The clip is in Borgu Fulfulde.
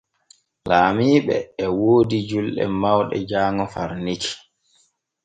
Laamiiɓe e woodi julɗe mawɗe jaaŋo far Niki.